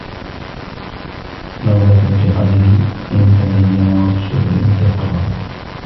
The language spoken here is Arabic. رَغْبَةً فِي الْأَجْرِ إنْ تَدَيَّنَ وَفِي الشُّكْرِ إنْ تَكَرَّمَ